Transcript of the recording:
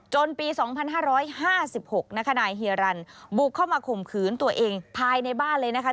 ปี๒๕๕๖นะคะนายเฮียรันบุกเข้ามาข่มขืนตัวเองภายในบ้านเลยนะคะ